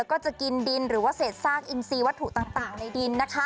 ก็จะกินดินหรือว่าเศษซากอินซีวัตถุต่างในดินนะคะ